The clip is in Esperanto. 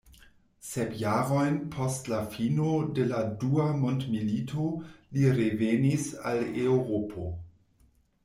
Sep jarojn post la fino de la dua mondmilito li revenis al Eŭropo.